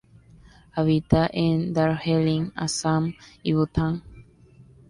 Habita en Darjeeling, Assam y Bután.